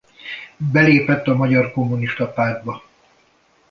Belépett a Magyar Kommunista Pártba.